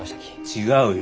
違うよ。